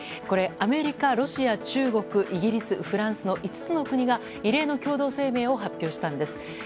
これ、アメリカ、中国ロシア、イギリス、フランスの５つの国が異例の共同声明を発表したんです。